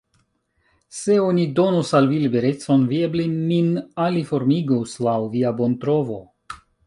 Se oni donus al vi liberecon, vi eble min aliformigus laŭ via bontrovo?